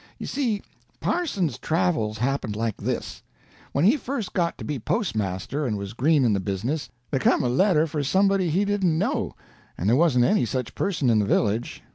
You see, Parsons' travels happened like this: When he first got to be postmaster and was green in the business, there come a letter for somebody he didn't know, and there wasn't any such person in the village.